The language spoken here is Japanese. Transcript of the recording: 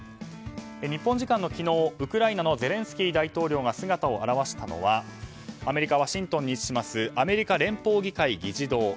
日本時間の昨日、ウクライナのゼレンスキー大統領が姿を現したのはアメリカ・ワシントンに位置するアメリカ連邦議会議事堂。